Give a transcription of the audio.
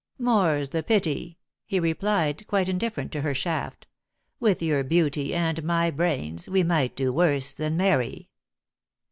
"More's the pity!" he replied, quite indifferent to her shaft. "With your beauty and my brains, we might do worse than marry!"